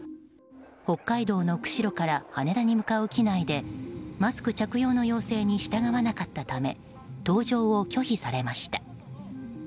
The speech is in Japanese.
北海道の釧路から羽田に向かう機内でマスク着用の要請に従わなかったため搭乗を拒否されました。